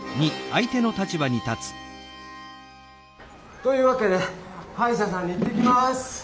というわけではいしゃさんに行ってきます！